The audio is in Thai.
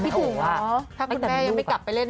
ถึงถ้าคุณแม่ยังไม่กลับไปเล่น